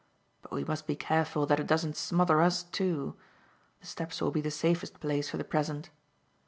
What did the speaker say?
But we must be careful that it doesn't smother us too. The steps will be the safest place for the present."